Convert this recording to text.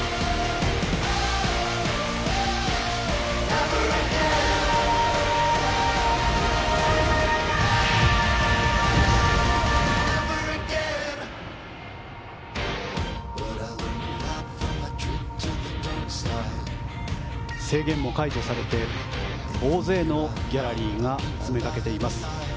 ⁉ＬＧ２１制限も解除されて大勢のギャラリーが詰めかけています。